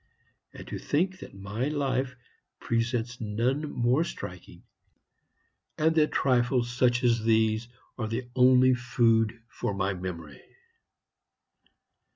And to think that my life presents none more striking, and that trifles such as these are the only food for my memory!